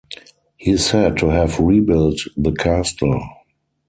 He is said to have rebuilt the castle.